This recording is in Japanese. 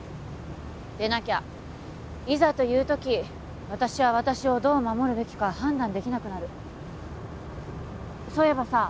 でなきゃいざという時私は私をどう守るべきか判断できなくなるそういえばさ